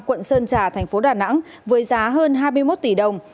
quận sơn trà tp đà nẵng với giá hơn hai mươi một tỷ đồng